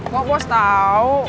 kok bos tau